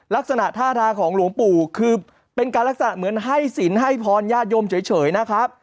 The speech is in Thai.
ลักษณะท่าทางของหลวงปู่คือเป็นการลักษณะเหมือนให้สินให้พรญาติโยมเฉยนะครับ